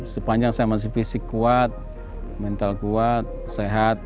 sepanjang saya masih fisik kuat mental kuat sehat